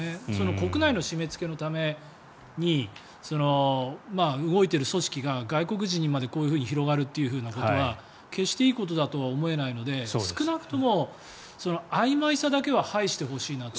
国内の締めつけのために動いている組織が外国人にまでこういうふうに広がるということは決していいことだとは思えないので少なくともそのあいまいさだけは排してほしいなと。